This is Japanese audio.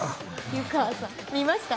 湯川さん見ました？